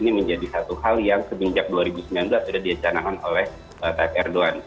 ini menjadi satu hal yang sejak dua ribu sembilan belas sudah ditanakan oleh t f erdogan